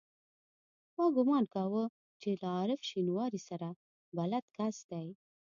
ما ګومان کاوه چې له عارف شینواري سره بلد کس دی.